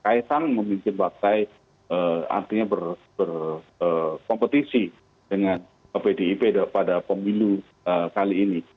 kaisang memimpin partai artinya berkompetisi dengan pdip pada pemilu kali ini